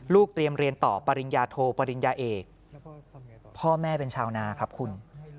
เตรียมเรียนต่อปริญญาโทปริญญาเอกพ่อแม่เป็นชาวนาครับคุณ